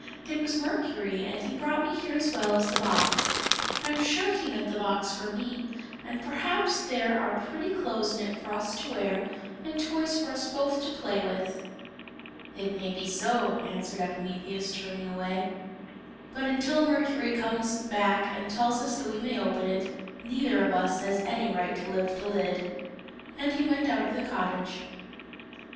"It was Mercury, and he brought me here as well as the box. I am sure he meant the box for me, and perhaps there are pretty clothes in it for us to wear, and toys for us both to play with." "It may be so," answered Epimetheus, turning away; "but until Mercury comes back and tells us that we may open it, neither of us has any right to lift the lid;" and he went out of the cottage.